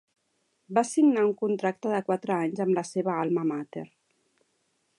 Va signar un contracte de quatre anys amb la seva alma mater.